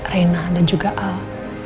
rena dan juga al